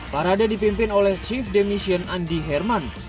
parade dipimpin oleh chief demission andi herman